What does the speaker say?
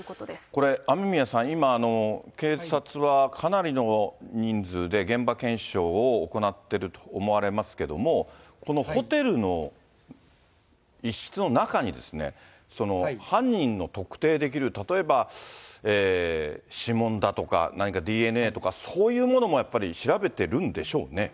これ、雨宮さん、今、警察はかなりの人数で現場検証を行ってると思われますけれども、このホテルの一室の中に、犯人の特定できる例えば、指紋だとか、何かＤＮＡとか、そういったものもやっぱり調べてるんでしょうね。